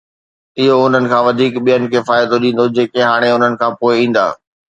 اھو انھن کان وڌيڪ ٻين کي فائدو ڏيندو“ جيڪي ھاڻي انھن کان پوءِ ايندا.